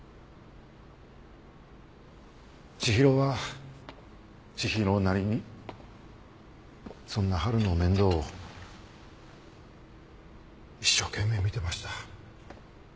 千尋は千尋なりにそんな波琉の面倒を一生懸命見てました。